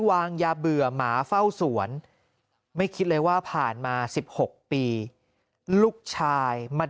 วางยาเบื่อหมาเฝ้าสวนไม่คิดเลยว่าผ่านมา๑๖ปีลูกชายมา